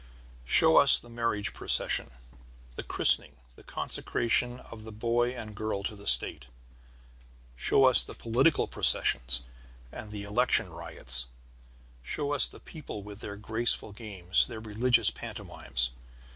Show us the marriage procession, the christening, the consecration of the boy and girl to the state. Show us the political processions and election riots. Show us the people with their graceful games, their religious pantomimes.